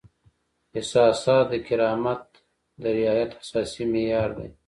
احساسات د کرامت د رعایت اساسي معیار دی.